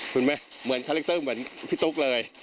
คุณไหมเหมือนคาแรคเตอร์เหมือนพี่ตุ๊กเลย